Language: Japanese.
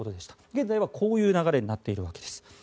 現在はこういう流れになっているわけです。